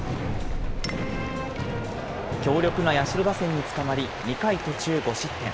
強力な社打線につかまり、２回途中５失点。